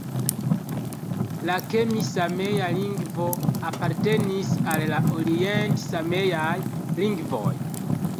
La kemi-samea lingvo apartenis al la orient-sameaj lingvoj.